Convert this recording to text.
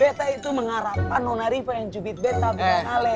betta itu mengharapkan nona riva yang cubit betta berkale